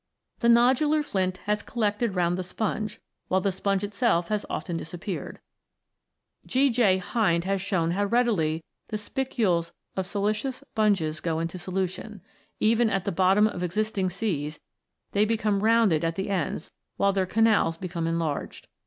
The nodular flint has collected round the sponge, while the sponge itself has often disappeared. G. J. Hinde(2i) has shown how readily the spicules of siliceous sponges go into solution. Even at the bottom of existing seas they become rounded at the ends, while their canals become enlarged.